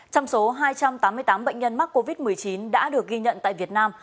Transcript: trong số hai trăm tám mươi tám bệnh nhân mắc covid một mươi chín đã được ghi nhận tại việt nam